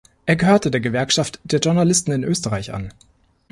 Er gehörte der Gewerkschaft der Journalisten in Österreich an.